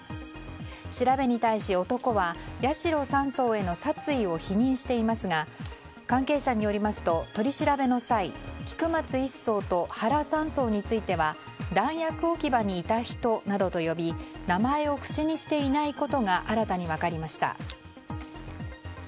調べに対し男は八代３曹への殺意を否認していますが関係者によりますと取り調べの際菊松１曹と原３曹については弾薬置き場にいた人などと呼び名前を口にしていないことが新たに分かりました。